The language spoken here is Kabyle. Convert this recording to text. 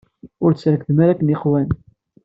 Ur tsekdem ara akken iqwem.